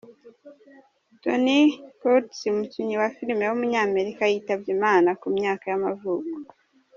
Tony Curtis, umukinnyi wa film w’umunyamerika yitabye Imana, ku myaka y’amavuko.